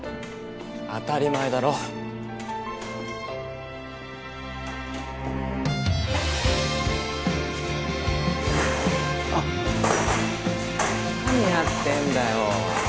当たり前だろあッ何やってんだよ